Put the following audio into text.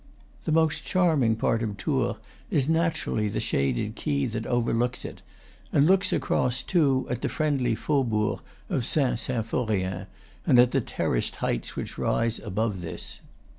The most charming part of Tours is naturally the shaded quay that over looks it, and looks across too at the friendly faubourg of Saint Symphorien and at the terraced heights which rise above this.